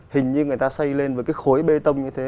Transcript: hình như người ta xây lên với cái khối bê tông như thế